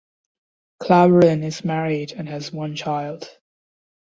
Klaveren is married and has one child.